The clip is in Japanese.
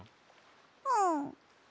うん。